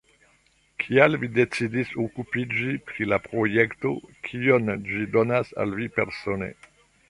Kial vi decidis okupiĝi pri la projekto, kion ĝi donas al vi persone?